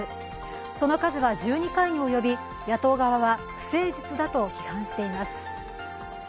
その数は１２回に及び野党側は不誠実だと批判しています。